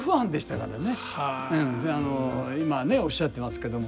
今ねおっしゃってますけども。